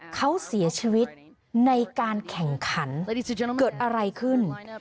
เขาเสียชีวิตในการแข่งขันเกิดอะไรขึ้น